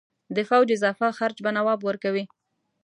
د پوځ اضافه خرڅ به نواب ورکوي.